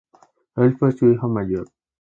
Él fue su hijo mayor.